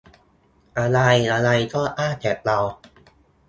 อะไรอะไรก็อ้างแต่เรา